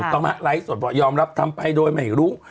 ก็มาไลฟ์ส่วนยอมรับทำไปโดยไม่รู้